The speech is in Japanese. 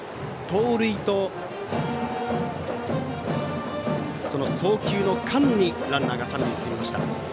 盗塁と送球の間にランナーが三塁に進みました。